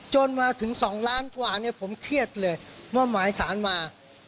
จนมาถึง๒ล้านกว่าเนี่ยผมเครียดเลยว่าหมายสารมา